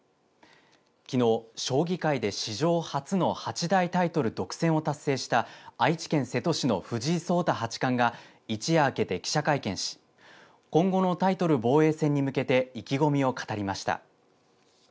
きのう将棋界で史上初の八大タイトル独占を達成した愛知県瀬戸市の藤井聡太八冠が一夜明けて記者会見し今後のタイトル防衛戦に向けて意気込みを語りました。